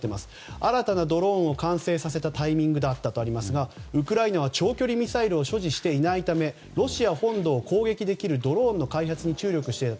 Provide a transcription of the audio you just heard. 新たなドローンを完成させたタイミングだったとありますがウクライナは長距離ミサイルを所持していないためロシア本土を攻撃できるドローンの開発に注力していたと。